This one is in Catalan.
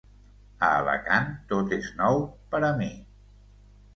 A Alacant tot és nou, per a mi.